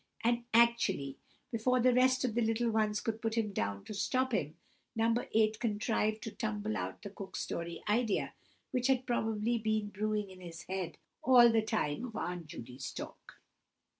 And actually, before the rest of the little ones could put him down or stop him, No. 8 contrived to tumble out the Cook Story idea, which had probably been brewing in his head all the time of Aunt Judy's talk.